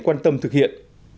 quan tâm thực hiện